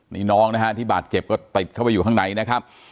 นี่น้องนะฮะที่บาดเจ็บก็ติดเข้าไปอยู่ข้างในนะครับ